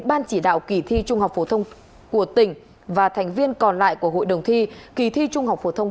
ban chỉ đạo kỳ thi trung học phổ thông của tỉnh và thành viên còn lại của hội đồng thi kỳ thi trung học phổ thông